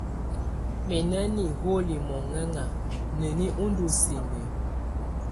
Mǝ na niholi mɔŋɛŋa, neni ɔ ndɔ sinǝ?